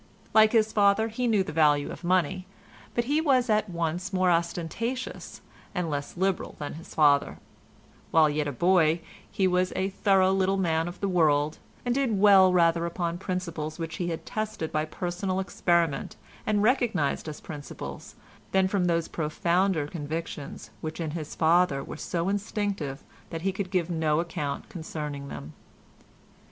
Like his father, he knew the value of money, but he was at once more ostentatious and less liberal than his father; while yet a boy he was a thorough little man of the world, and did well rather upon principles which he had tested by personal experiment, and recognised as principles, than from those profounder convictions which in his father were so instinctive that he could give no account concerning them.